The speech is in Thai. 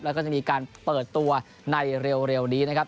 แล้วก็จะมีการเปิดตัวในเร็วนี้นะครับ